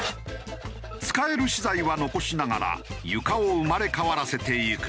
使える資材は残しながら床を生まれ変わらせていく。